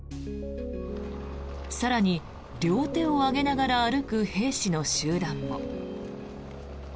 更に、両手を上げながら歩く兵士の集団も。